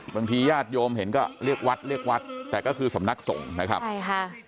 ญาติโยมเห็นก็เรียกวัดเรียกวัดแต่ก็คือสำนักสงฆ์นะครับใช่ค่ะ